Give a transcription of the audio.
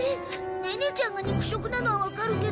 ネネちゃんが肉食なのはわかるけどさ。